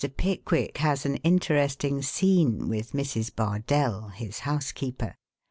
PICKWICK HAS AN INTERESTING SCENE WITH MRS. BARDELL, HIS HOUSEKEEPER.